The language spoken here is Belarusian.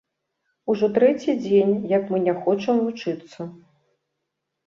Ужо трэці дзень, як мы не хочам вучыцца.